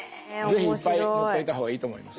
是非いっぱい持っといた方がいいと思います。